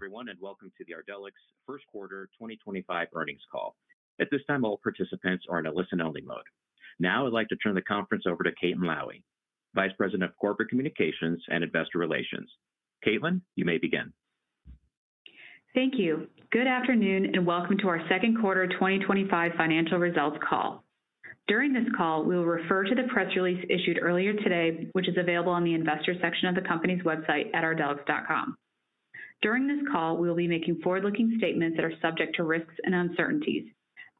Good day, everyone, and welcome to the Ardelyx First Quarter 2025 Earnings Call. At this time, all participants are in a listen-only mode. Now, I'd like to turn the conference over to Caitlin Lowie, Vice President of Corporate Communications and Investor Relations. Caitlin, you may begin. Thank you. Good afternoon, and welcome to our Second Quarter 2025 Financial Results Call. During this call, we will refer to the press release issued earlier today, which is available on the investors section of the company's website at ardelyx.com. During this call, we will be making forward-looking statements that are subject to risks and uncertainties.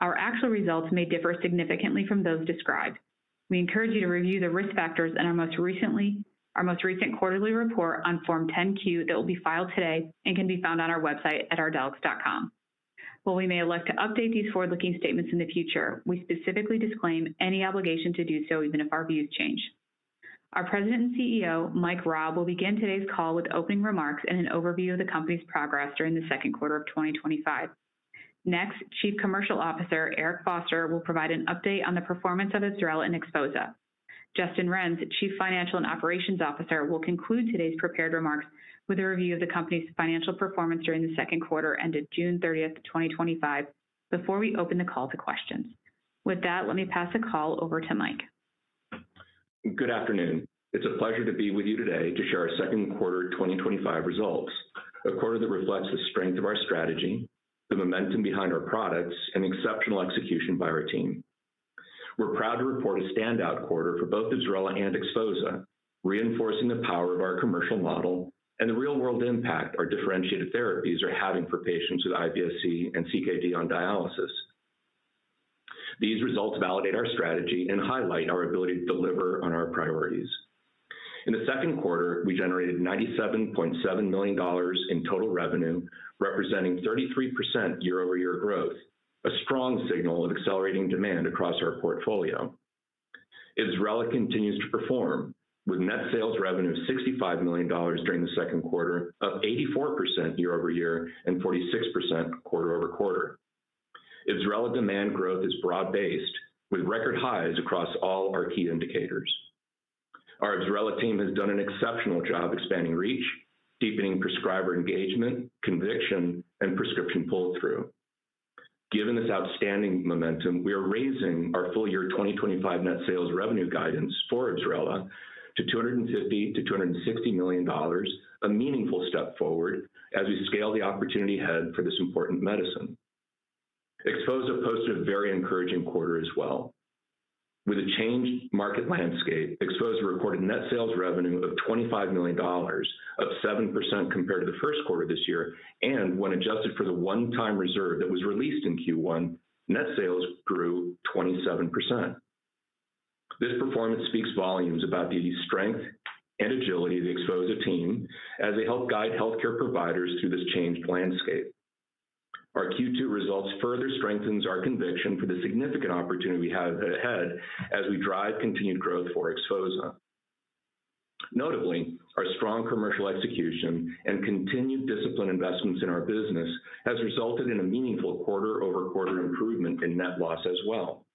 Our actual results may differ significantly from those described. We encourage you to review the risk factors in our most recent quarterly report on Form 10-Q that will be filed today and can be found on our website at ardelyx.com. While we may elect to update these forward-looking statements in the future, we specifically disclaim any obligation to do so, even if our views change. Our President and CEO, Mike Raab, will begin today's call with opening remarks and an overview of the company's progress during the second quarter of 2025. Next, Chief Commercial Officer, Eric Foster, will provide an update on the performance of IBSRELA and XPHOZAH. Justin Renz, Chief Financial and Operations Officer, will conclude today's prepared remarks with a review of the company's financial performance during the second quarter ended June 30th, 2025, before we open the call to questions. With that, let me pass the call over to Mike. Good afternoon. It's a pleasure to be with you today to share our second quarter 2025 results, a quarter that reflects the strength of our strategy, the momentum behind our products, and the exceptional execution by our team. We're proud to report a standout quarter for both IBSRELA and XPHOZAH, reinforcing the power of our commercial model and the real-world impact our differentiated therapies are having for patients with IBS-C and CKD on dialysis. These results validate our strategy and highlight our ability to deliver on our priorities. In the second quarter, we generated $97.7 million in total revenue, representing 33% year-over-year growth, a strong signal of accelerating demand across our portfolio. IBSRELA continues to perform, with net sales revenue of $65 million during the second quarter, up 84% year-over-year and 46% quarter-over-quarter. IBSRELA's demand growth is broad-based, with record highs across all our key indicators. Our IBSRELA team has done an exceptional job expanding reach, deepening prescriber engagement, conviction, and prescription pull-through. Given this outstanding momentum, we are raising our full-year 2025 net sales revenue guidance for IBSRELA to $250 million to $260 million, a meaningful step forward as we scale the opportunity ahead for this important medicine. XPHOZAH posted a very encouraging quarter as well. With a changed market landscape, XPHOZAH recorded net sales revenue of $25 million, up 7% compared to the first quarter of this year, and when adjusted for the one-time reserve that was released in Q1, net sales grew 27%. This performance speaks volumes about the strength and agility of the XPHOZAH team as they help guide healthcare providers through this changed landscape. Our Q2 results further strengthen our conviction for the significant opportunity we have ahead as we drive continued growth for XPHOZAH. Notably, our strong commercial execution and continued discipline investments in our business have resulted in a meaningful quarter-over-quarter improvement in net loss as well.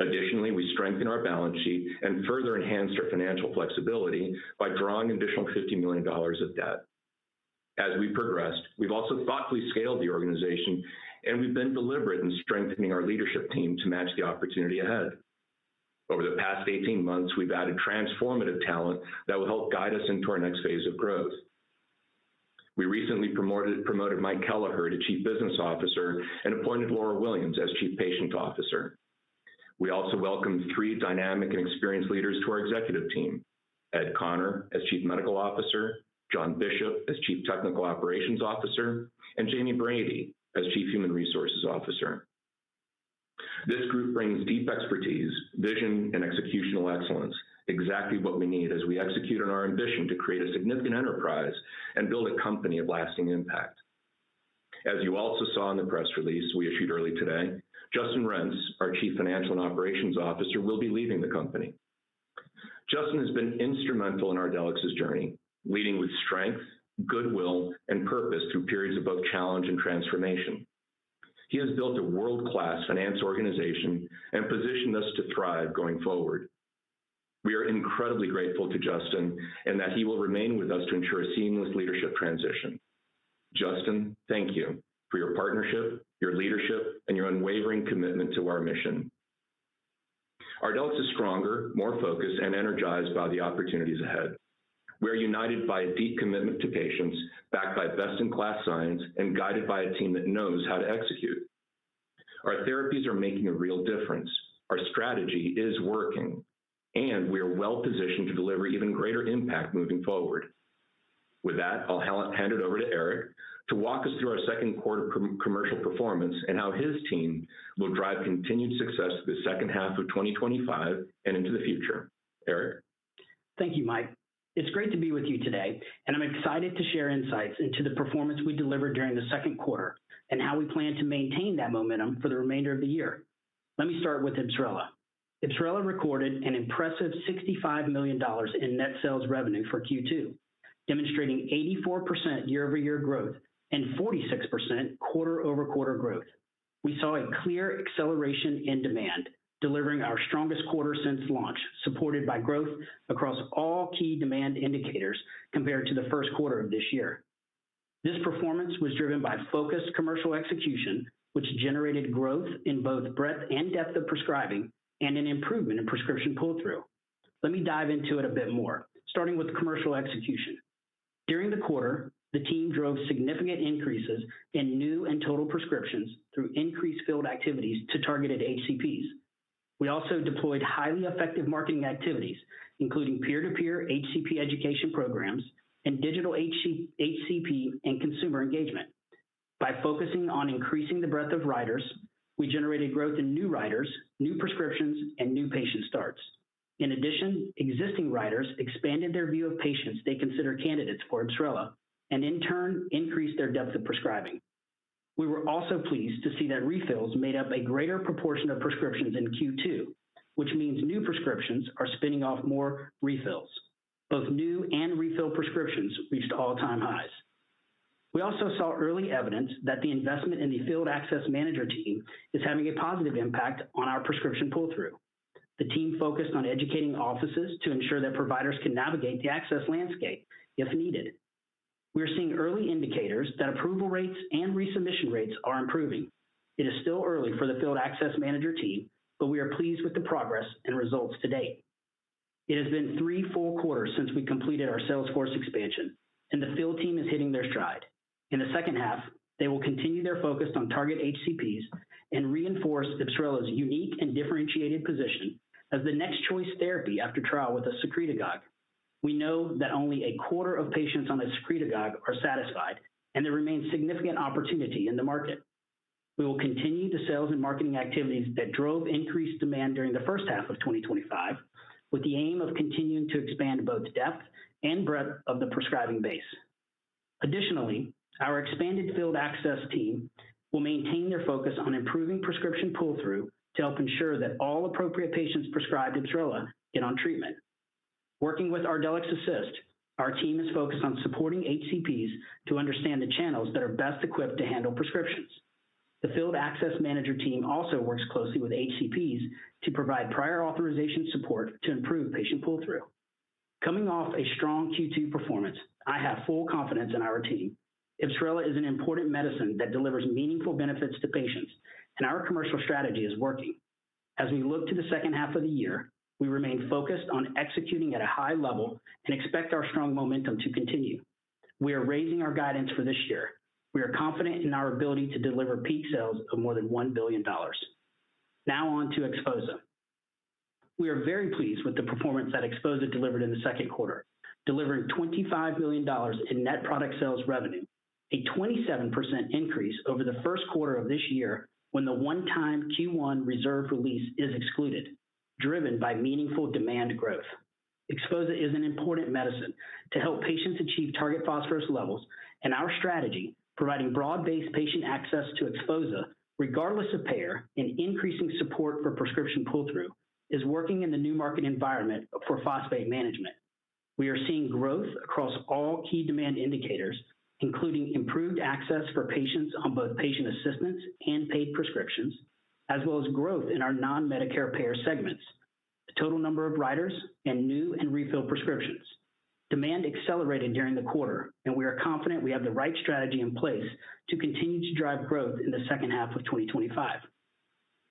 Additionally, we strengthened our balance sheet and further enhanced our financial flexibility by drawing an additional $50 million of debt. As we progressed, we've also thoughtfully scaled the organization, and we've been deliberate in strengthening our leadership team to match the opportunity ahead. Over the past 18 months, we've added transformative talent that will help guide us into our next phase of growth. We recently promoted Mike Kelliher to Chief Business Officer and appointed Laura Williams as Chief Patient Officer. We also welcomed three dynamic and experienced leaders to our executive team: Ed Connor as Chief Medical Officer, John Bishop as Chief Technical Operations Officer, and Jamie Brady as Chief Human Resources Officer. This group brings deep expertise, vision, and executional excellence, exactly what we need as we execute on our ambition to create a significant enterprise and build a company of lasting impact. As you also saw in the press release we issued early today, Justin Renz, our Chief Financial and Operations Officer, will be leaving the company. Justin has been instrumental in Ardelyx's journey, leading with strength, goodwill, and purpose through periods of both challenge and transformation. He has built a world-class finance organization and positioned us to thrive going forward. We are incredibly grateful to Justin and that he will remain with us to ensure a seamless leadership transition. Justin, thank you for your partnership, your leadership, and your unwavering commitment to our mission. Ardelyx is stronger, more focused, and energized by the opportunities ahead. We are united by a deep commitment to patients, backed by best-in-class science, and guided by a team that knows how to execute. Our therapies are making a real difference, our strategy is working, and we are well-positioned to deliver even greater impact moving forward. With that, I'll hand it over to Eric to walk us through our second quarter commercial performance and how his team will drive continued success for the second half of 2025 and into the future. Eric? Thank you, Mike. It's great to be with you today, and I'm excited to share insights into the performance we delivered during the second quarter and how we plan to maintain that momentum for the remainder of the year. Let me start with IBSRELA. IBSRELA recorded an impressive $65 million in net sales revenue for Q2, demonstrating 84% year-over-year growth and 46% quarter-over-quarter growth. We saw a clear acceleration in demand, delivering our strongest quarter since launch, supported by growth across all key demand indicators compared to the first quarter of this year. This performance was driven by focused commercial execution, which generated growth in both breadth and depth of prescribing and an improvement in prescription pull-through. Let me dive into it a bit more, starting with commercial execution. During the quarter, the team drove significant increases in new and total prescriptions through increased field activities to targeted HCPs. We also deployed highly effective marketing activities, including peer-to-peer HCP education programs and digital HCP and consumer engagement. By focusing on increasing the breadth of writers, we generated growth in new writers, new prescriptions, and new patient starts. In addition, existing writers expanded their view of patients they consider candidates for IBSRELA, and in turn, increased their depth of prescribing. We were also pleased to see that refills made up a greater proportion of prescriptions in Q2, which means new prescriptions are spinning off more refills. Both new and refilled prescriptions reached all-time highs. We also saw early evidence that the investment in the Field Access Manager team is having a positive impact on our prescription pull-through. The team focused on educating offices to ensure that providers can navigate the access landscape if needed. We are seeing early indicators that approval rates and resubmission rates are improving. It is still early for the Field Access Manager team, but we are pleased with the progress and results to date. It has been three full quarters since we completed our Salesforce expansion, and the field team is hitting their stride. In the second half, they will continue their focus on target HCPs and reinforce IBSRELA's unique and differentiated position as the next choice therapy after trial with a secretagogue. We know that only a quarter of patients on the secretagogue are satisfied, and there remains significant opportunity in the market. We will continue the sales and marketing activities that drove increased demand during the first half of 2025, with the aim of continuing to expand both depth and breadth of the prescribing base. Additionally, our expanded Field Access team will maintain their focus on improving prescription pull-through to help ensure that all appropriate patients prescribed IBSRELA get on treatment. Working with ArdelyxAssist, our team is focused on supporting HCPs to understand the channels that are best equipped to handle prescriptions. The Field Access Manager team also works closely with HCPs to provide prior authorization support to improve patient pull-through. Coming off a strong Q2 performance, I have full confidence in our team. IBSRELA is an important medicine that delivers meaningful benefits to patients, and our commercial strategy is working. As we look to the second half of the year, we remain focused on executing at a high level and expect our strong momentum to continue. We are raising our guidance for this year. We are confident in our ability to deliver peak sales of more than $1 billion. Now on to XPHOZAH. We are very pleased with the performance that XPHOZAH delivered in the second quarter, delivering $25 million in net product sales revenue, a 27% increase over the first quarter of this year when the one-time Q1 reserve release is excluded, driven by meaningful demand growth. XPHOZAH is an important medicine to help patients achieve target phosphorus levels, and our strategy, providing broad-based patient access to XPHOZAH regardless of payer and increasing support for prescription pull-through, is working in the new market environment for phosphate management. We are seeing growth across all key demand indicators, including improved access for patients on both patient assistance and paid prescriptions, as well as growth in our non-Medicare payer segments, the total number of writers, and new and refilled prescriptions. Demand accelerated during the quarter, and we are confident we have the right strategy in place to continue to drive growth in the second half of 2025.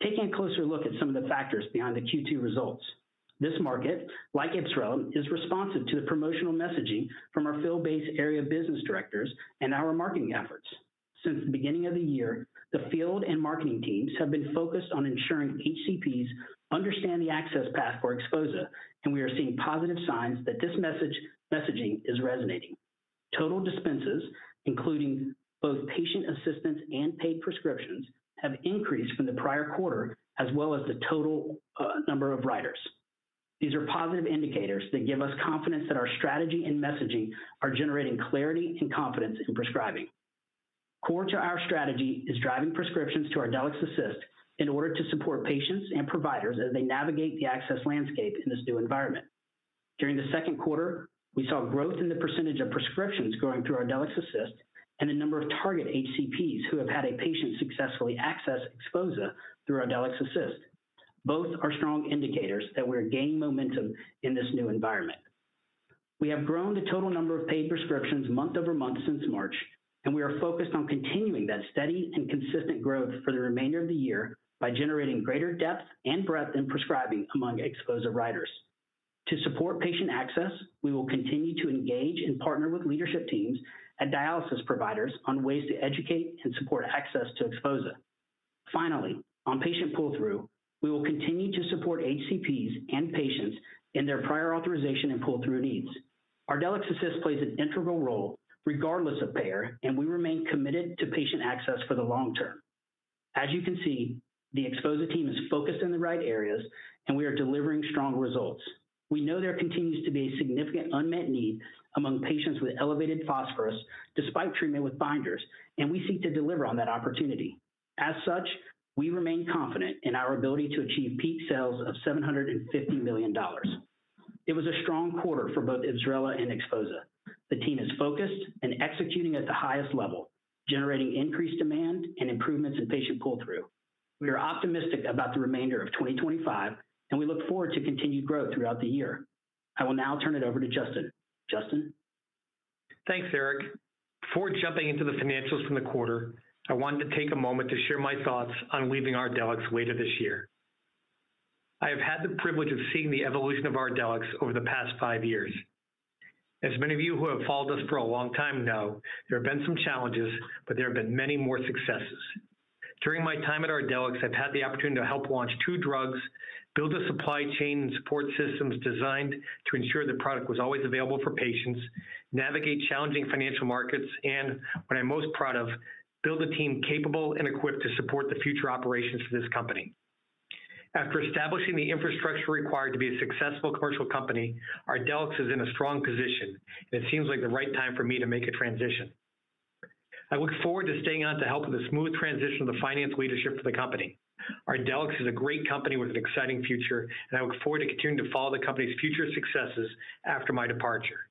Taking a closer look at some of the factors behind the Q2 results, this market, like IBSRELA, is responsive to the promotional messaging from our field-based Area Business Directors and our marketing efforts. Since the beginning of the year, the field and marketing teams have been focused on ensuring HCPs understand the access path for XPHOZAH, and we are seeing positive signs that this messaging is resonating. Total expenses, including both patient assistance and paid prescriptions, have increased from the prior quarter, as well as the total number of writers. These are positive indicators that give us confidence that our strategy and messaging are generating clarity and confidence in prescribing. Core to our strategy is driving prescriptions to ArdelyxAssist in order to support patients and providers as they navigate the access landscape in this new environment. During the second quarter, we saw growth in the percentage of prescriptions going through ArdelyxAssist and the number of target HCPs who have had a patient successfully access XPHOZAH through ArdelyxAssist. Both are strong indicators that we are gaining momentum in this new environment. We have grown the total number of paid prescriptions month over month since March, and we are focused on continuing that steady and consistent growth for the remainder of the year by generating greater depth and breadth in prescribing among XPHOZAH writers. To support patient access, we will continue to engage and partner with leadership teams at dialysis providers on ways to educate and support access to XPHOZAH. Finally, on patient pull-through, we will continue to support HCPs and patients in their prior authorization and pull-through needs. ArdelyxAssist plays an integral role regardless of payer, and we remain committed to patient access for the long term. As you can see, the XPHOZAH team is focused in the right areas, and we are delivering strong results. We know there continues to be a significant unmet need among patients with elevated phosphorus despite treatment with binders, and we seek to deliver on that opportunity. As such, we remain confident in our ability to achieve peak sales of $750 million. It was a strong quarter for both IBSRELA and XPHOZAH. The team is focused and executing at the highest level, generating increased demand and improvements in patient pull-through. We are optimistic about the remainder of 2025, and we look forward to continued growth throughout the year. I will now turn it over to Justin. Justin? Thanks, Eric. Before jumping into the financials from the quarter, I wanted to take a moment to share my thoughts on leaving Ardelyx later this year. I have had the privilege of seeing the evolution of Ardelyx over the past five years. As many of you who have followed us for a long time know, there have been some challenges, but there have been many more successes. During my time at Ardelyx, I've had the opportunity to help launch two drugs, build a supply chain and support systems designed to ensure the product was always available for patients, navigate challenging financial markets, and what I'm most proud of, build a team capable and equipped to support the future operations of this company. After establishing the infrastructure required to be a successful commercial company, Ardelyx is in a strong position, and it seems like the right time for me to make a transition. I look forward to staying on to help with the smooth transition of the finance leadership for the company. Ardelyx is a great company with an exciting future, and I look forward to continuing to follow the company's future successes after my departure.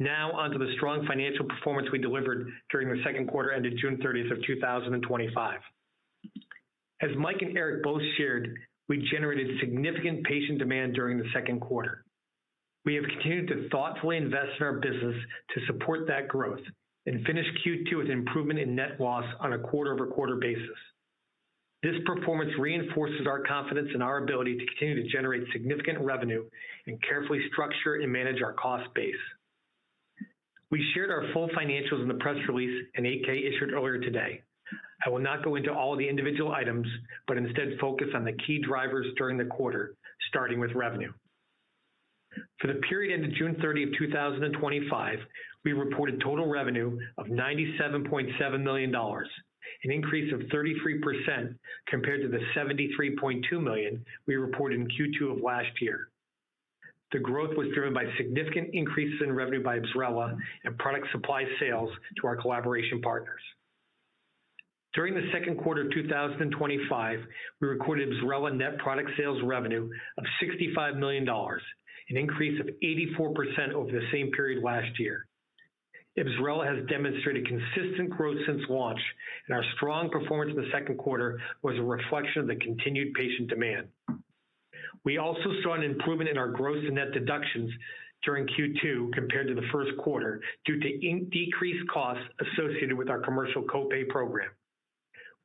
Now on to the strong financial performance we delivered during the second quarter ended June 30th of 2025. As Mike and Eric both shared, we generated significant patient demand during the second quarter. We have continued to thoughtfully invest in our business to support that growth and finish Q2 with improvement in net loss on a quarter-over-quarter basis. This performance reinforces our confidence in our ability to continue to generate significant revenue and carefully structure and manage our cost base. We shared our full financials in the press release and AK issued earlier today. I will not go into all the individual items, but instead focus on the key drivers during the quarter, starting with revenue. For the period ended June 30, 2025, we reported total revenue of $97.7 million, an increase of 33% compared to the $73.2 million we reported in Q2 of last year. The growth was driven by significant increases in revenue by IBSRELA and product supply sales to our collaboration partners. During the second quarter of 2025, we recorded IBSRELA net product sales revenue of $65 million, an increase of 84% over the same period last year. IBSRELA has demonstrated consistent growth since launch, and our strong performance in the second quarter was a reflection of the continued patient demand. We also saw an improvement in our gross-to-net deductions during Q2 compared to the first quarter due to decreased costs associated with our commercial copay program.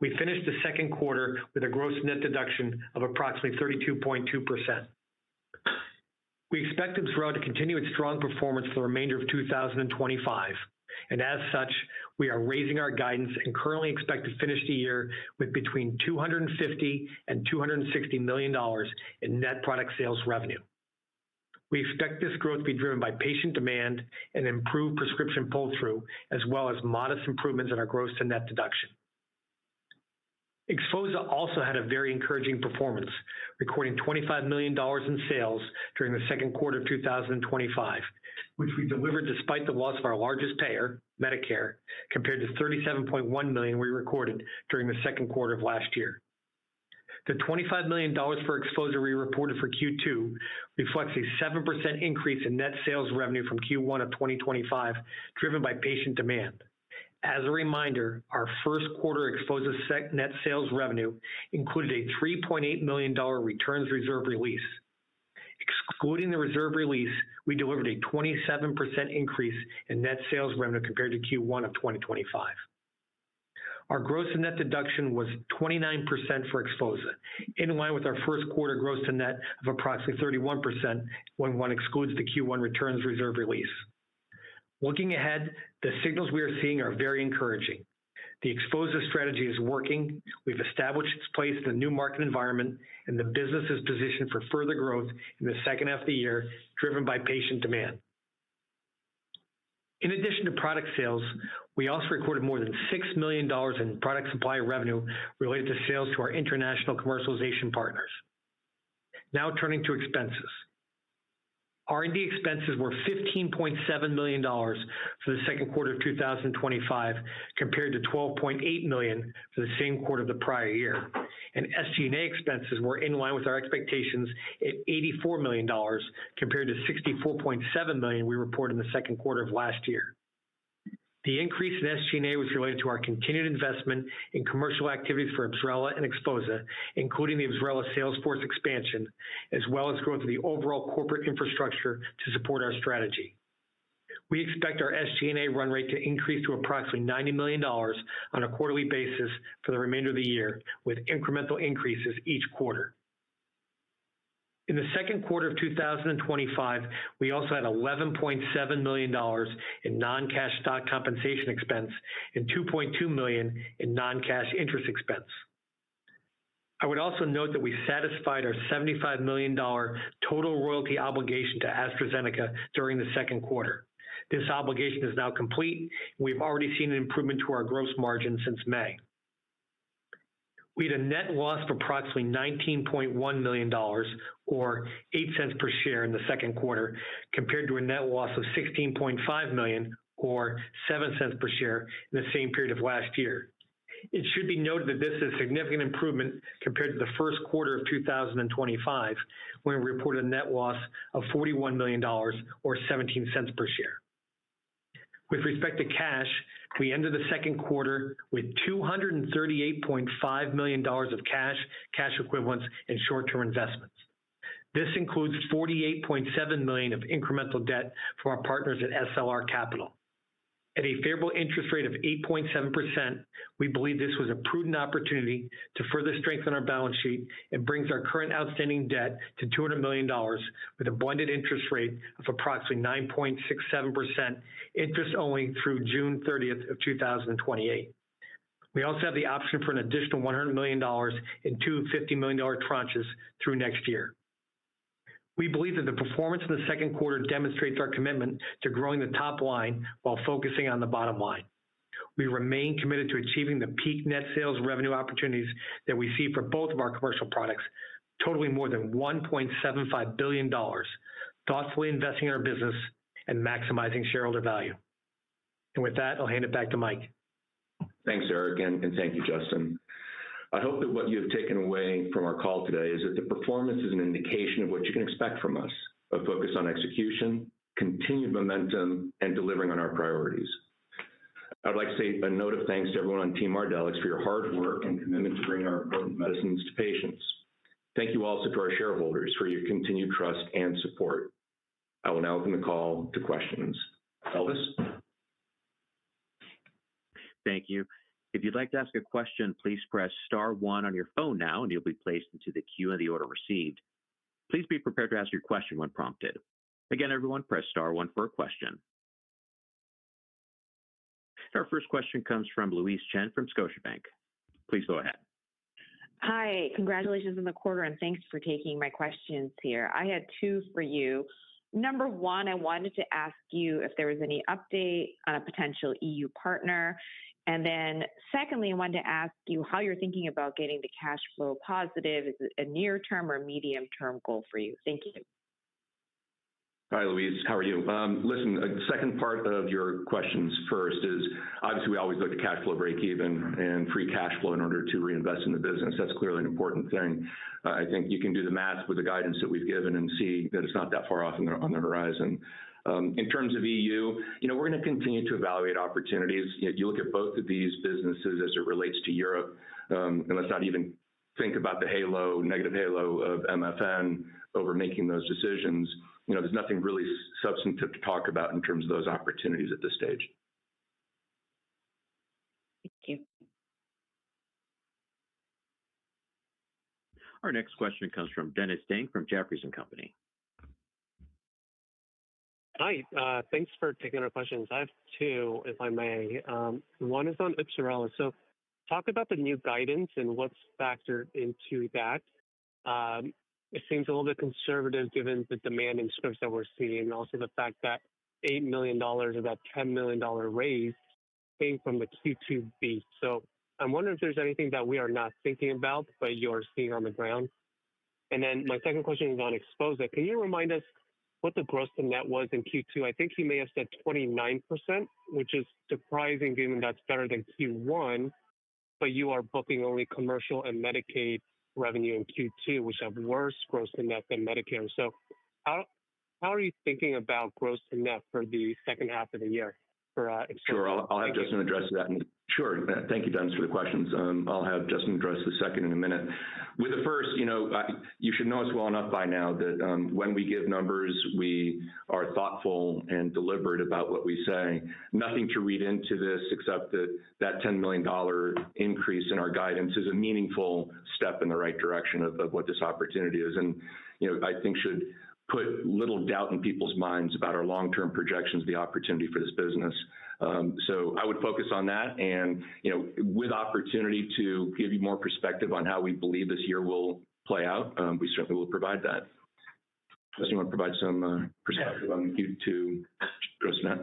We finished the second quarter with a gross-to-net deduction of approximately 32.2%. We expect IBSRELA to continue its strong performance the remainder of 2025, and as such, we are raising our guidance and currently expect to finish the year with between $250 million and $260 million in net product sales revenue. We expect this growth to be driven by patient demand and improved prescription pull-through, as well as modest improvements in our gross-to-net deduction. XPHOZAH also had a very encouraging performance, recording $25 million in sales during the second quarter of 2025, which we delivered despite the loss of our largest payer, Medicare, compared to $37.1 million we recorded during the second quarter of last year. The $25 million for XPHOZAH we reported for Q2 reflects a 7% increase in net sales revenue from Q1 of 2025, driven by patient demand. As a reminder, our first quarter XPHOZAH net sales revenue included a $3.8 million returns reserve release. Excluding the reserve release, we delivered a 27% increase in net sales revenue compared to Q1 of 2025. Our gross-to-net deduction was 29% for XPHOZAH, in line with our first quarter gross-to-net of approximately 31% when one excludes the Q1 returns reserve release. Looking ahead, the signals we are seeing are very encouraging. The XPHOZAH strategy is working. We've established its place in the new market environment, and the business is positioned for further growth in the second half of the year, driven by patient demand. In addition to product sales, we also recorded more than $6 million in product supply revenue related to sales to our international commercialization partners. Now turning to expenses, R&D expenses were $15.7 million for the second quarter of 2025, compared to $12.8 million for the same quarter of the prior year, and SG&A expenses were in line with our expectations at $84 million, compared to $64.7 million we reported in the second quarter of last year. The increase in SG&A was related to our continued investment in commercial activities for IBSRELA and XPHOZAH, including the IBSRELA Salesforce expansion, as well as growth in the overall corporate infrastructure to support our strategy. We expect our SG&A run rate to increase to approximately $90 million on a quarterly basis for the remainder of the year, with incremental increases each quarter. In the second quarter of 2025, we also had $11.7 million in non-cash stock compensation expense and $2.2 million in non-cash interest expense. I would also note that we satisfied our $75 million total royalty obligation to AstraZeneca during the second quarter. This obligation is now complete, and we've already seen an improvement to our gross margin since May. We had a net loss of approximately $19.1 million, or $0.08 per share in the second quarter, compared to a net loss of $16.5 million, or $0.07 per share in the same period of last year. It should be noted that this is a significant improvement compared to the first quarter of 2025, when we reported a net loss of $41 million, or $0.17 per share. With respect to cash, we ended the second quarter with $238.5 million of cash, cash equivalents, and short-term investments. This includes $48.7 million of incremental debt from our partners at SLR Capital. At a favorable interest rate of 8.7%, we believe this was a prudent opportunity to further strengthen our balance sheet and bring our current outstanding debt to $200 million, with a blended interest rate of approximately 9.67% interest only through June 30, 2028. We also have the option for an additional $100 million in two $50 million tranches through next year. We believe that the performance in the second quarter demonstrates our commitment to growing the top line while focusing on the bottom line. We remain committed to achieving the peak net sales revenue opportunities that we see for both of our commercial products, totaling more than $1.75 billion, thoughtfully investing in our business and maximizing shareholder value. With that, I'll hand it back to Mike. Thanks, Eric, and thank you, Justin. I hope that what you have taken away from our call today is that the performance is an indication of what you can expect from us, a focus on execution, continued momentum, and delivering on our priorities. I would like to say a note of thanks to everyone on Team Ardelyx for your hard work and commitment to bringing our listeners to patients. Thank you also to our shareholders for your continued trust and support. I will now open the call to questions. Elvis? Thank you. If you'd like to ask a question, please press star one on your phone now, and you'll be placed into the queue in the order received. Please be prepared to ask your question when prompted. Again, everyone, press star one for a question. Our first question comes from Louise Chen from Scotiabank. Please go ahead. Hi, congratulations on the quarter, and thanks for taking my questions here. I had two for you. Number one, I wanted to ask you if there was any update on a potential E.U. partner, and then secondly, I wanted to ask you how you're thinking about getting the cash flow positive. Is it a near-term or a medium-term goal for you? Thank you. Hi, Louise. How are you? Listen, the second part of your questions first is, obviously, we always look to cash flow breakeven and free cash flow in order to reinvest in the business. That's clearly an important thing. I think you can do the math with the guidance that we've given and see that it's not that far off on the horizon. In terms of E.U., you know, we're going to continue to evaluate opportunities. You look at both of these businesses as it relates to Europe, and let's not even think about the negative halo of MFN over making those decisions. There's nothing really substantive to talk about in terms of those opportunities at this stage. Thank you. Our next question comes from Dennis Ding from Jefferies & Company. Hi, thanks for taking our questions. I have two, if I may. One is on IBSRELA. Talk about the new guidance and what's factored into that. It seems a little bit conservative given the demanding scripts that we're seeing and also the fact that $8 million of that $10 million raise came from the Q2 beat. I'm wondering if there's anything that we are not thinking about, but you are seeing on the ground. My second question is on XPHOZAH. Can you remind us what the gross-to-net was in Q2? I think you may have said 29%, which is surprising given that's better than Q1, but you are booking only commercial and Medicaid revenue in Q2, which have worse gross-to-net than Medicare. How are you thinking about gross-to-net for the second half of the year? Sure, I'll have Justin address that. Thank you, Dennis, for the questions. I'll have Justin address the second in a minute. With the first, you should know us well enough by now that when we give numbers, we are thoughtful and deliberate about what we say. Nothing to read into this except that $10 million increase in our guidance is a meaningful step in the right direction of what this opportunity is. I think it should put little doubt in people's minds about our long-term projections, the opportunity for this business. I would focus on that. With the opportunity to give you more perspective on how we believe this year will play out, we certainly will provide that. Unless you want to provide some perspective on Q2 gross-to-net.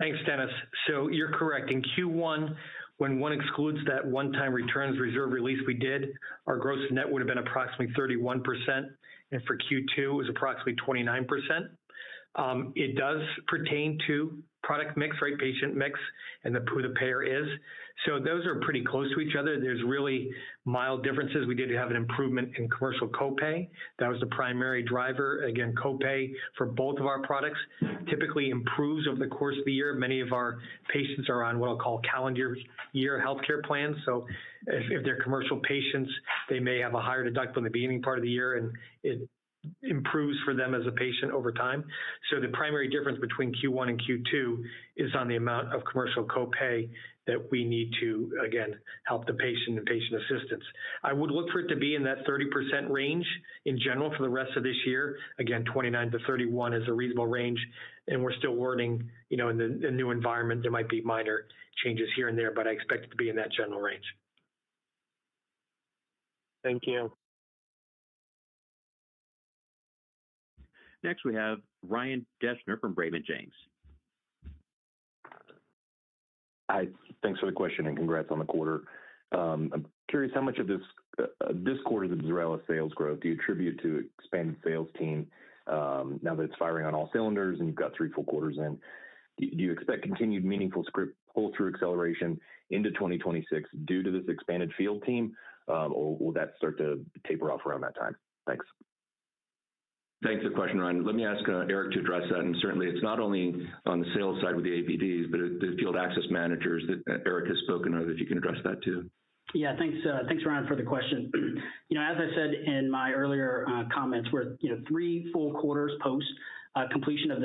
Thanks, Dennis. You're correct. In Q1, when one excludes that one-time returns reserve release, our gross-to-net would have been approximately 31%, and for Q2, it was approximately 29%. It does pertain to product mix, patient mix, and who the payer is. Those are pretty close to each other. There are really mild differences. We did have an improvement in commercial copay. That was the primary driver. Again, copay for both of our products typically improves over the course of the year. Many of our patients are on what I'll call calendar year healthcare plans. If they're commercial patients, they may have a higher deductible in the beginning part of the year, and it improves for them as a patient over time. The primary difference between Q1 and Q2 is on the amount of commercial copay that we need to, again, help the patient and patient assistance. I would look for it to be in that 30% range in general for the rest of this year. Again, 29%-31% is a reasonable range, and we're still learning, you know, in the new environment, there might be minor changes here and there, but I expect it to be in that general range. Thank you. Next, we have Ryan Deschner from Raymond James. Hi, thanks for the question, and congrats on the quarter. I'm curious how much of this quarter's IBSRELA sales growth do you attribute to expanded sales team now that it's firing on all cylinders and you've got three full quarters in? Do you expect continued meaningful script pull-through acceleration into 2026 due to this expanded field team, or will that start to taper off around that time? Thanks. Thanks for the question, Ryan. Let me ask Eric to address that. It's not only on the sales-side with the APDs, but the Field Access Managers that Eric has spoken of, if you can address that too. Yeah, thanks, thanks Ryan for the question. As I said in my earlier comments, we're three full quarters post completion of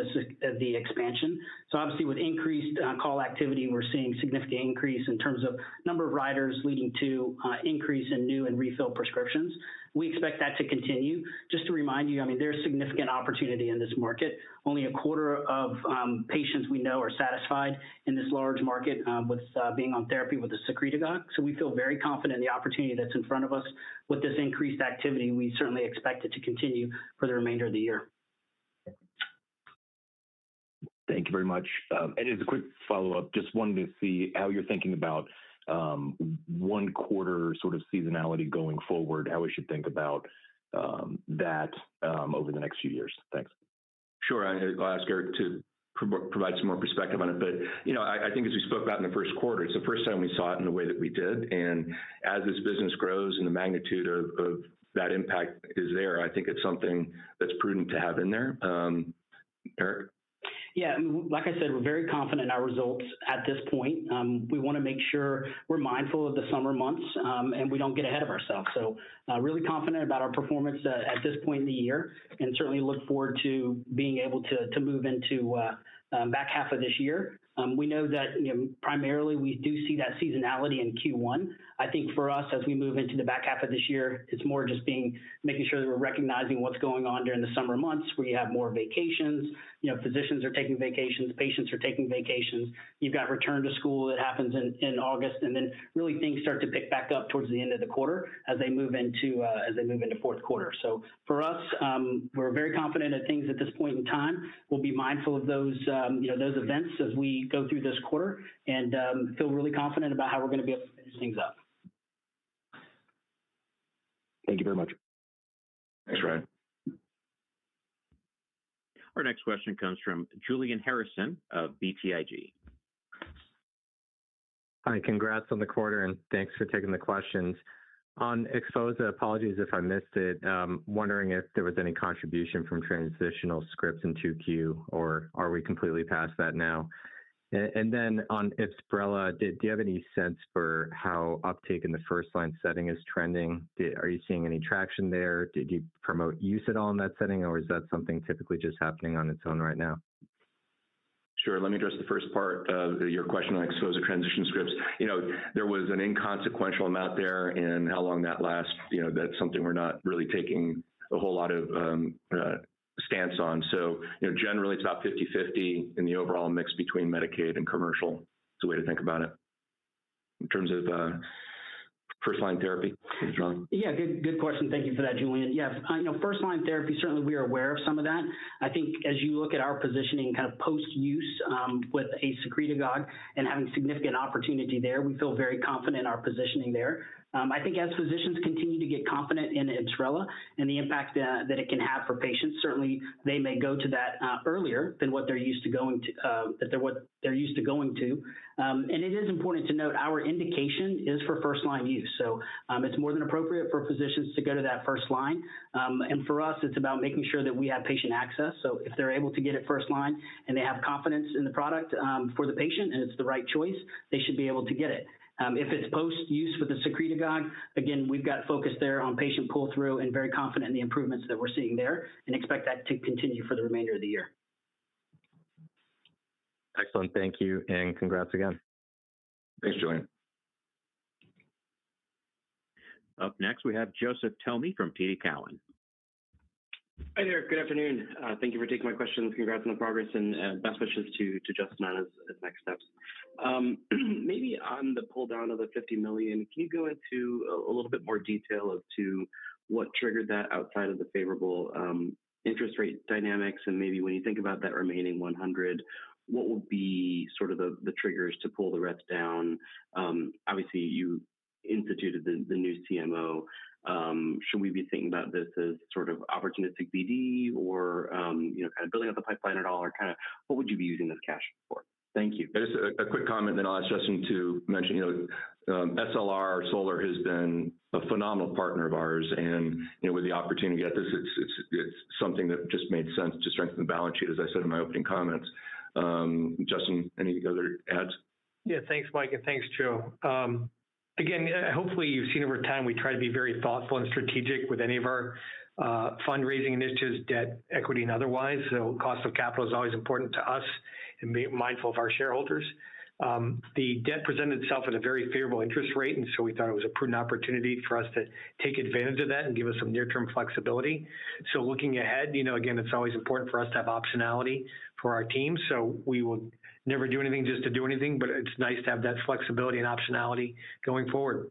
the expansion. Obviously, with increased call activity, we're seeing a significant increase in terms of the number of writers leading to an increase in new and refilled prescriptions. We expect that to continue. Just to remind you, there's significant opportunity in this market. Only a quarter of patients we know are satisfied in this large market with being on therapy with the secretagogue. We feel very confident in the opportunity that's in front of us with this increased activity. We certainly expect it to continue for the remainder of the year. Thank you very much. As a quick follow-up, just wanted to see how you're thinking about one quarter sort of seasonality going forward, how we should think about that over the next few years. Thanks. Sure, I'll ask Eric Foster to provide some more perspective on it. You know, I think as we spoke about in the first quarter, it's the first time we saw it in the way that we did. As this business grows and the magnitude of that impact is there, I think it's something that's prudent to have in there. Yeah, like I said, we're very confident in our results at this point. We want to make sure we're mindful of the summer months and we don't get ahead of ourselves. We're really confident about our performance at this point in the year and certainly look forward to being able to move into the back-half of this year. We know that primarily we do see that seasonality in Q1. I think for us, as we move into the back-half of this year, it's more just making sure that we're recognizing what's going on during the summer months where you have more vacations. Physicians are taking vacations, patients are taking vacations. You've got return to school that happens in August, and then things start to pick back up towards the end of the quarter as they move into the fourth quarter. For us, we're very confident in things at this point in time. We'll be mindful of those events as we go through this quarter and feel really confident about how we're going to be able to pick things up. Thank you very much. Thanks, Ryan. Our next question comes from Julian Harrison of BTIG. Hi, congrats on the quarter and thanks for taking the questions. On XPHOZAH, apologies if I missed it. I'm wondering if there was any contribution from transitional scripts in 2Q or are we completely past that now? On IBSRELA, do you have any sense for how uptake in the first-line setting is trending? Are you seeing any traction there? Did you promote use at all in that setting or is that something typically just happening on its own right now? Sure, let me address the first part of your question on XPHOZAH transition scripts. There was an inconsequential amount there and how long that lasts, that's something we're not really taking a whole lot of stance on. Generally, it's about 50-50 in the overall mix between Medicaid and commercial. It's a way to think about it in terms of first-line therapy. Yeah, good question. Thank you for that, Julian. First-line therapy, certainly we are aware of some of that. I think as you look at our positioning kind of post-use with a secretagogue and having significant opportunity there, we feel very confident in our positioning there. I think as physicians continue to get confident in IBSRELA and the impact that it can have for patients, certainly they may go to that earlier than what they're used to going to. It is important to note our indication is for first-line use. It's more than appropriate for physicians to go to that first-line. For us, it's about making sure that we have patient access. If they're able to get it first-line and they have confidence in the product for the patient and it's the right choice, they should be able to get it. If it's post-use with a secretagogue, again, we've got focus there on patient pull-through and very confident in the improvements that we're seeing there and expect that to continue for the remainder of the year. Excellent. Thank you and congrats again. Thanks, Julian. Up next, we have Joseph Thome from TD Cowen. Hi there. Good afternoon. Thank you for taking my questions. Congrats on the progress and best wishes to Justin on his next steps. Maybe on the pull-down of the $50 million, can you go into a little bit more detail as to what triggered that outside of the favorable interest rate dynamics? When you think about that remaining $100 million, what would be sort of the triggers to pull the reps down? Obviously, you instituted the new CMO. Should we be thinking about this as sort of opportunistic BD or kind of building up the pipeline at all? What would you be using this cash? Thank you. Just a quick comment, then I'll ask Justin to mention, you know, SLR Capital has been a phenomenal partner of ours. With the opportunity we got this, it's something that just made sense to strengthen the balance sheet, as I said in my opening comments. Justin, any other ads? Yeah, thanks, Mike, and thanks, Joe. Hopefully you've seen over time we try to be very thoughtful and strategic with any of our fundraising initiatives, debt, equity, and otherwise. Cost of capital is always important to us and being mindful of our shareholders. The debt presented itself at a very favorable interest rate, and we thought it was a prudent opportunity for us to take advantage of that and give us some near-term flexibility. Looking ahead, it's always important for us to have optionality for our teams. We will never do anything just to do anything, but it's nice to have that flexibility and optionality going forward.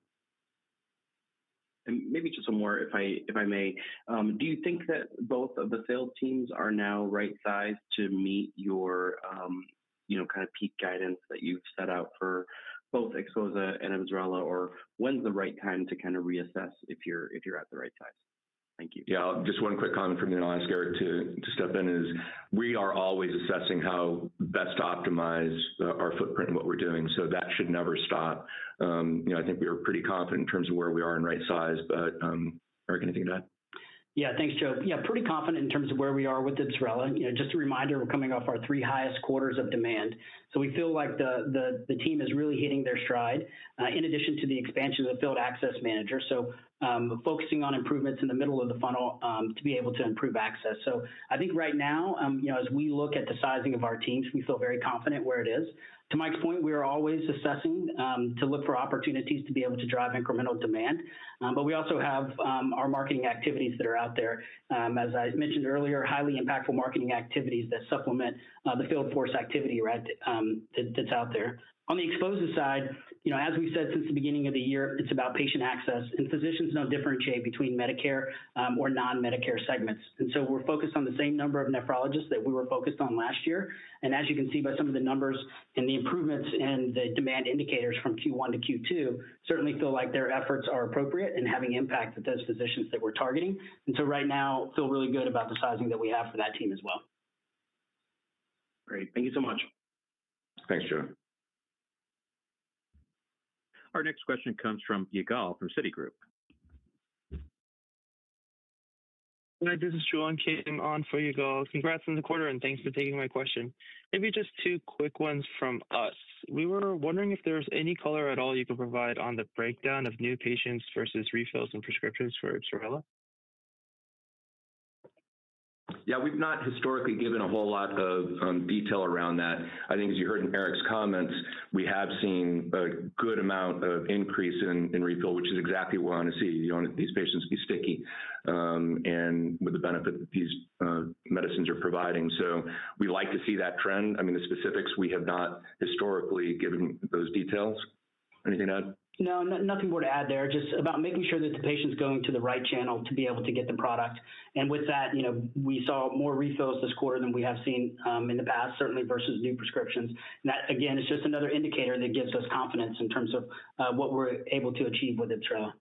Maybe just one more, if I may. Do you think that both of the sales teams are now right-sized to meet your, you know, kind of peak guidance that you've set out for both XPHOZAH and IBSRELA? When's the right time to kind of reassess if you're at the right size? Thank you. Yeah, just one quick comment from me, and I'll ask Eric to step in. We are always assessing how best to optimize our footprint and what we're doing. That should never stop. I think we are pretty confident in terms of where we are in right size, but Eric, anything to add? Yeah, thanks, Joe. Yeah, pretty confident in terms of where we are with IBSRELA. You know, just a reminder, we're coming off our three highest quarters of demand. We feel like the team is really hitting their stride in addition to the expansion of the Field Access manager. Focusing on improvements in the middle of the funnel to be able to improve access. I think right now, as we look at the sizing of our teams, we feel very confident where it is. To Mike's point, we are always assessing to look for opportunities to be able to drive incremental demand. We also have our marketing activities that are out there. As I mentioned earlier, highly impactful marketing activities that supplement the field force activity that's out there. On the XPHOZAH side, as we've said since the beginning of the year, it's about patient access. Physicians now differentiate between Medicare or non-Medicare segments. We're focused on the same number of nephrologists that we were focused on last year. As you can see by some of the numbers and the improvements and the demand indicators from Q1 to Q2, certainly feel like their efforts are appropriate and having impact with those physicians that we're targeting. Right now, I feel really good about the sizing that we have for that team as well. Great. Thank you so much. Thanks, Joe. Our next question comes from Yigal from Citigroup. Hi, this is Joel and came on for Yigal. Congrats on the quarter and thanks for taking my question. Maybe just two quick ones from us. We were wondering if there's any color at all you can provide on the breakdown of new patients versus refills and prescriptions for IBSRELA? Yeah, we've not historically given a whole lot of detail around that. I think as you heard in Eric's comments, we have seen a good amount of increase in refill, which is exactly what we want to see. You want these patients to be sticky with the benefit that these medicines are providing. We like to see that trend. The specifics, we have not historically given those details. Anything to add? No, nothing more to add there. It's just about making sure that the patient's going to the right channel to be able to get the product. With that, we saw more refills this quarter than we have seen in the past, certainly versus new prescriptions. That, again, is just another indicator that gives us confidence in terms of what we're able to achieve with IBSRELA.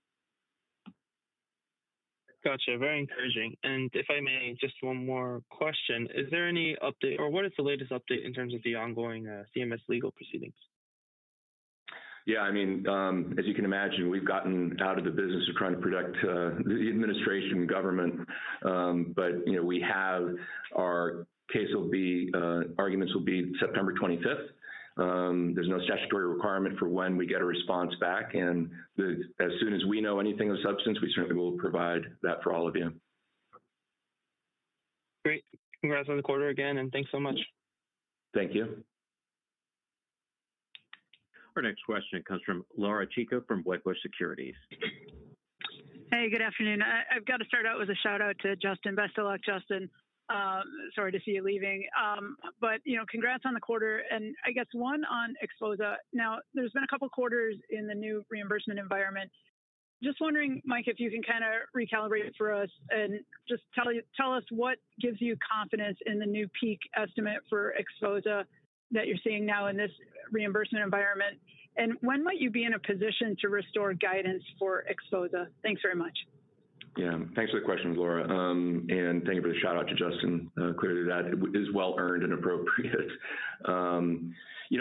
Gotcha. Very encouraging. If I may, just one more question. Is there any update or what is the latest update in terms of the ongoing CMS legal proceedings? Yeah, as you can imagine, we've gotten out of the business of trying to protect the administration and government. We have our case, arguments will be September 25th. There's no statutory requirement for when we get a response back. As soon as we know anything of substance, we certainly will provide that for all of you. Great. Congrats on the quarter again, and thanks so much. Thank you. Our next question comes from Laura Chico from Wedbush Securities. Hey, good afternoon. I've got to start out with a shout out to Justin. Best of luck, Justin. Sorry to see you leaving. Congrats on the quarter. I guess one on XPHOZAH. There have been a couple of quarters in the new reimbursement environment. Just wondering, Mike, if you can kind of recalibrate for us and just tell us what gives you confidence in the new peak estimate for XPHOZAH that you're seeing now in this reimbursement environment? When might you be in a position to restore guidance for XPHOZAH? Thanks very much. Yeah, thanks for the question, Laura. Thank you for the shout out to Justin. Clearly, that is well earned and appropriate.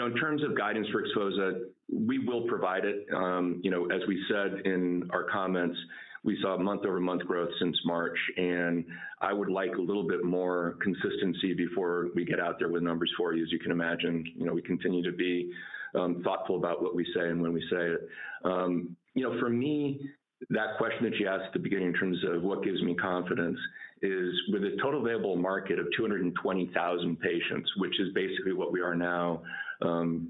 In terms of guidance for XPHOZAH, we will provide it. As we said in our comments, we saw month-over-month growth since March. I would like a little bit more consistency before we get out there with numbers for you. As you can imagine, we continue to be thoughtful about what we say and when we say it. For me, that question that you asked at the beginning in terms of what gives me confidence is with a total available market of 220,000 patients, which is basically what we are now,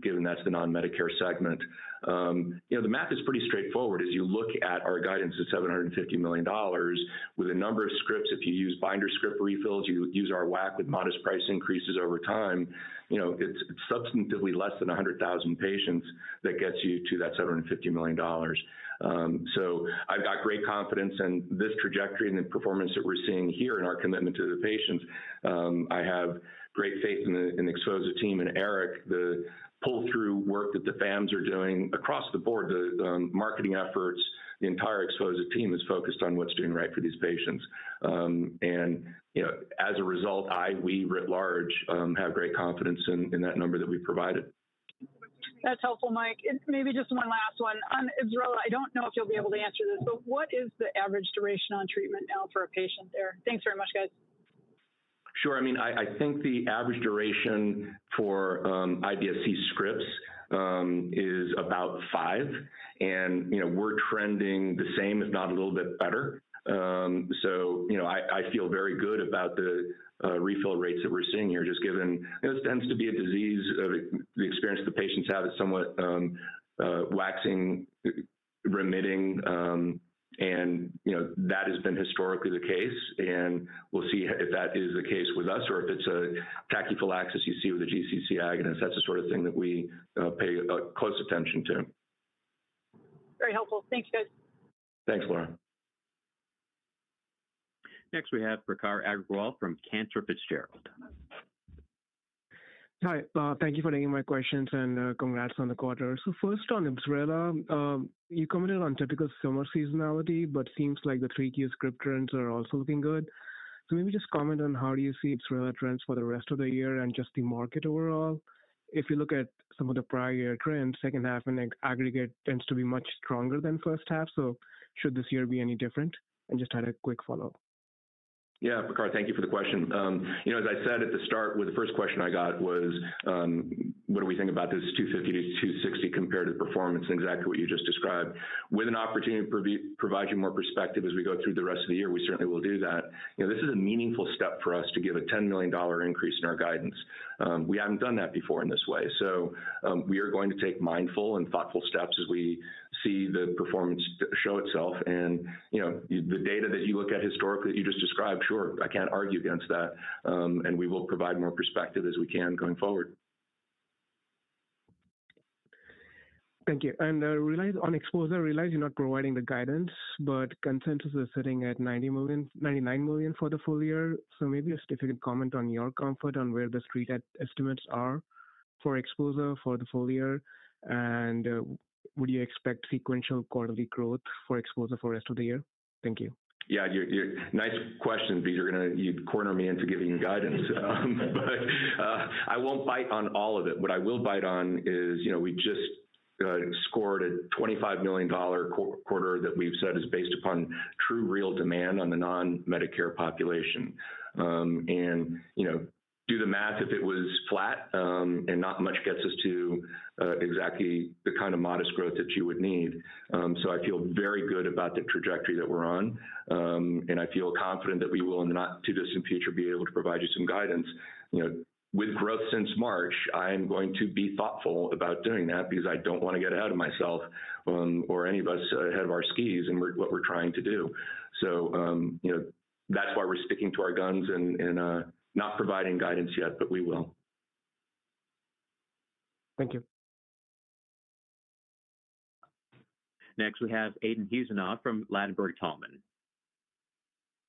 given that's the non-Medicare segment. The math is pretty straightforward. As you look at our guidance of $750 million with a number of scripts, if you use binder script refills, you use our WAC with modest price increases over time, it's substantively less than 100,000 patients that gets you to that $750 million. I've got great confidence in this trajectory and the performance that we're seeing here and our commitment to the patients. I have great faith in the XPHOZAH team and Eric, the pull-through work that the FAMs are doing across the board, the marketing efforts, the entire XPHOZAH team is focused on what's doing right for these patients. As a result, I, we writ large have great confidence in that number that we've provided. That's helpful, Mike. Maybe just one last one on IBSRELA. I don't know if you'll be able to answer this, but what is the average duration on treatment now for a patient there? Thanks very much, guys. Sure. I mean, I think the average duration for IBSRELA scripts is about five. We're trending the same, if not a little bit better. I feel very good about the refill rates that we're seeing here, just given it tends to be a disease of the experience the patients have. It's somewhat waxing, remitting. That has been historically the case. We'll see if that is the case with us or if it's a tachyphylaxis you see with the GCC agonist. That's the sort of thing that we pay close attention to. Very helpful. Thanks, guys. Thanks, Laura. Next, we have Prakhar Agrawal from Cantor Fitzgerald. Hi, thank you for taking my questions and congrats on the quarter. First on IBSRELA, you commented on typical summer seasonality, but it seems like the 3Q script trends are also looking good. Maybe just comment on how you see IBSRELA trends for the rest of the year and just the market overall. If you look at some of the prior year trends, second half in aggregate tends to be much stronger than first half. Should this year be any different? I just had a quick follow-up. Yeah, Prakhar, thank you for the question. As I said at the start, the first question I got was, what do we think about this $250 million to $260 million compared to the performance and exactly what you just described? With an opportunity to provide you more perspective as we go through the rest of the year, we certainly will do that. This is a meaningful step for us to give a $10 million increase in our guidance. We haven't done that before in this way. We are going to take mindful and thoughtful steps as we see the performance show itself. The data that you look at historically that you just described, sure, I can't argue against that. We will provide more perspective as we can going forward. Thank you. Related on XPHOZAH, I realize you're not providing the guidance, but consensus is sitting at $99 million for the full year. Maybe a specific comment on your comfort on where the Street estimates are for XPHOZAH for the full year. Would you expect sequential quarterly growth for XPHOZAH for the rest of the year? Thank you. Yeah, you're nice question because you're going to corner me into giving you guidance. I won't bite on all of it. What I will bite on is, you know, we just scored a $25 million quarter that we've said is based upon true real demand on the non-Medicare population. You know, do the math if it was flat and not much gets us to exactly the kind of modest growth that you would need. I feel very good about the trajectory that we're on. I feel confident that we will in the not-too-distant future be able to provide you some guidance. You know, with growth since March, I am going to be thoughtful about doing that because I don't want to get ahead of myself or any of us ahead of our skis and what we're trying to do. That's why we're sticking to our guns and not providing guidance yet, but we will. Thank you. Next, we have Aydin Huseynov from Ladenburg Thalmann.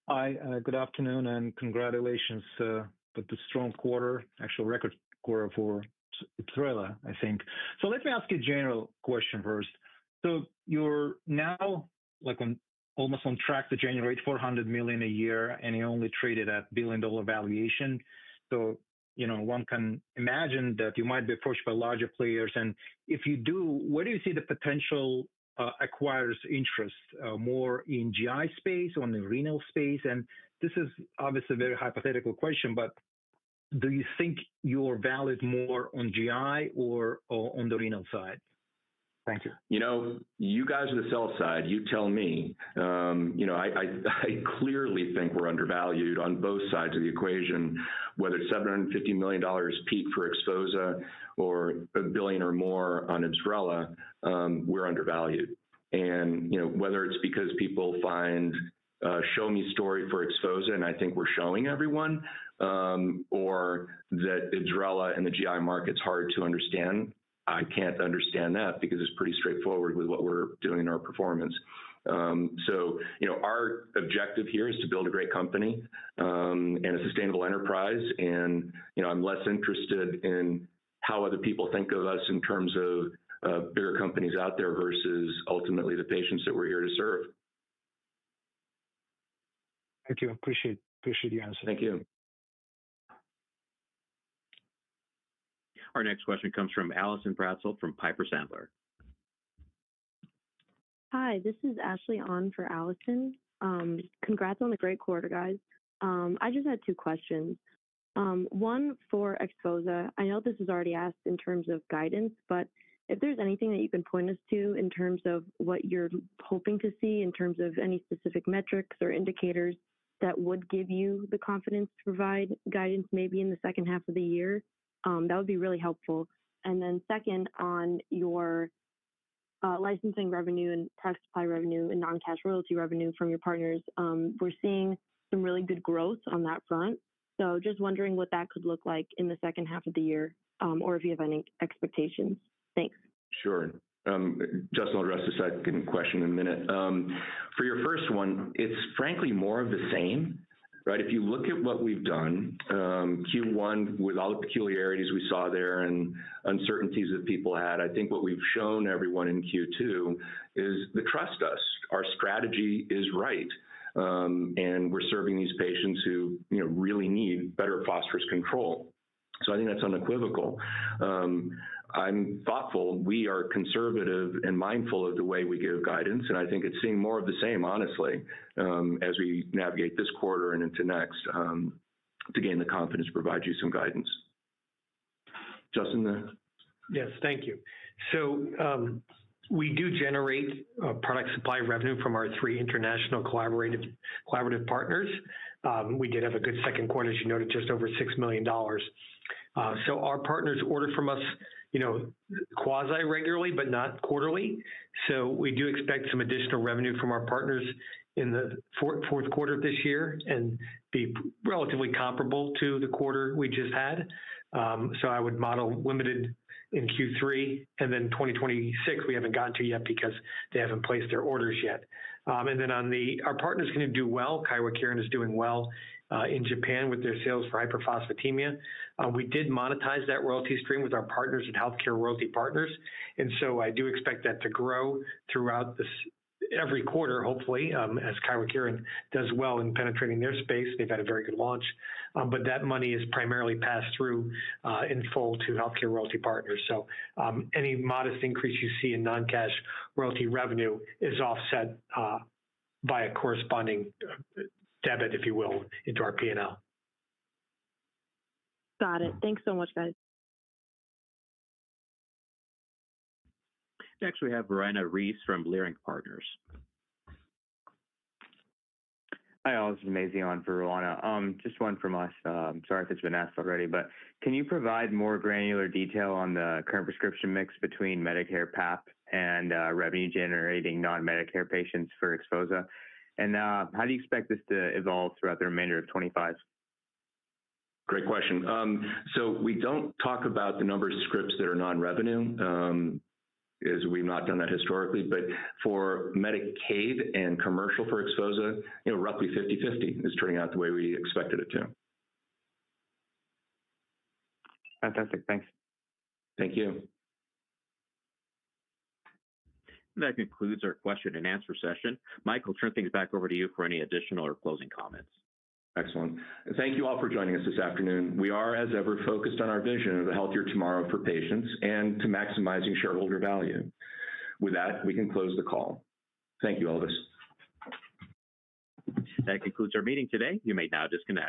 Hi, good afternoon and congratulations for the strong quarter, actual record quarter for IBSRELA, I think. Let me ask you a general question first. You're now like almost on track to generate $400 million a year and you only traded at a $1 billion valuation. You know, one can imagine that you might be approached by larger players. If you do, where do you see the potential acquirer's interest? More in GI space or in the renal space? This is obviously a very hypothetical question, but do you think you're valued more on GI or on the renal side? Thank you. You guys on the sell-side, you tell me. I clearly think we're undervalued on both sides of the equation. Whether it's $750 million peak for XPHOZAH or a billion or more on IBSRELA, we're undervalued. Whether it's because people find a show-me story for XPHOZAH and I think we're showing everyone, or that IBSRELA and the GI market's hard to understand, I can't understand that because it's pretty straightforward with what we're doing in our performance. Our objective here is to build a great company and a sustainable enterprise. I'm less interested in how other people think of us in terms of bigger companies out there versus ultimately the patients that we're here to serve. Thank you. I appreciate the answer. Thank you. Our next question comes from Allison Bratzel from Piper Sandler. Hi, this is Ashley on for Allison. Congrats on the great quarter, guys. I just had two questions. One for XPHOZAH. I know this is already asked in terms of guidance, but if there's anything that you can point us to in terms of what you're hoping to see in terms of any specific metrics or indicators that would give you the confidence to provide guidance maybe in the second half of the year, that would be really helpful. Second, on your licensing revenue and tech supply revenue and non-cash royalty revenue from your partners, we're seeing some really good growth on that front. Just wondering what that could look like in the second half of the year or if you have any expectations. Thanks. Sure. Justin will address this second question in a minute. For your first one, it's frankly more of the same, right? If you look at what we've done, Q1 with all the peculiarities we saw there and uncertainties that people had, I think what we've shown everyone in Q2 is to trust us. Our strategy is right. We're serving these patients who really need better phosphorus control. I think that's unequivocal. I'm thoughtful. We are conservative and mindful of the way we give guidance. I think it's seeing more of the same, honestly, as we navigate this quarter and into next to gain the confidence to provide you some guidance. Justin there. Yes, thank you. We do generate product supply revenue from our three international collaborative partners. We did have a good second quarter, as you noted, just over $6 million. Our partners order from us, you know, quasi-regularly, but not quarterly. We do expect some additional revenue from our partners in the fourth quarter of this year and be relatively comparable to the quarter we just had. I would model limited in Q3 and then 2026. We haven't gotten to yet because they haven't placed their orders yet. Our partners can do well. Kyowa Kirin is doing well in Japan with their sales for hyperphosphatemia. We did monetize that royalty stream with our partners and HealthCare Royalty Partners. I do expect that to grow throughout every quarter, hopefully, as Kyowa Kirin does well in penetrating their space. They've had a very good launch. That money is primarily passed through in full to HealthCare Royalty Partners. Any modest increase you see in non-cash royalty revenue is offset by a corresponding debit, if you will, into our P&L. Got it. Thanks so much, guys. Next, we have Roanna Ruiz from Leerink Partners. Hi, Al. This is Mazi on for Roanna. Just one from us. Sorry if it's been asked already, but can you provide more granular detail on the current prescription mix between Medicare, PAP, and revenue-generating non-Medicare patients for XPHOZAH? How do you expect this to evolve throughout the remainder of 2025? Great question. We don't talk about the number of scripts that are non-revenue because we've not done that historically. For Medicaid and commercial for XPHOZAH, you know, roughly 50-50 is turning out the way we expected it to. Fantastic. Thanks. Thank you. That concludes our question and answer session. Mike, I'll turn things back over to you for any additional or closing comments. Excellent. Thank you all for joining us this afternoon. We are, as ever, focused on our vision of a healthier tomorrow for patients and to maximizing shareholder value. With that, we can close the call. Thank you, Elvis. That concludes our meeting today. You may now discuss.